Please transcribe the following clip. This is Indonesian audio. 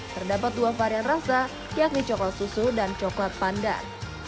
terdapat dua varian rasa yakni coklat susu dan coklat pandan